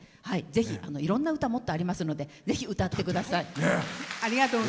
ぜひ、いろんな歌もっとありますのでぜひ歌ってください。